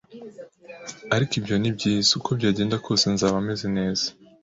Ariko ibyo nibyiza, uko byagenda kose nzaba meze neza